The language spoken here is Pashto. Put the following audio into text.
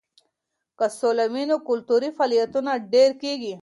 که سوله وي نو کلتوري فعالیتونه ډېر کیږي.